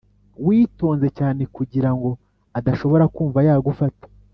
witonze cyane kugirango adashobora kumva yagufata,